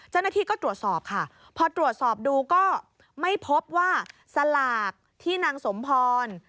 เจ้าหน้าที่ก็ตรวจสอบค่ะพอตรวจสอบดูก็ไม่พบว่าสลากที่นางสมพร